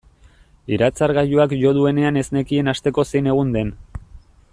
Iratzargailuak jo duenean ez nekien asteko zein egun den.